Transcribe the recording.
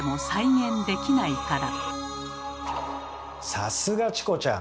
さすがチコちゃん！